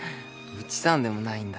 内さんでもないんだ。